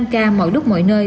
năm k mọi lúc mọi nơi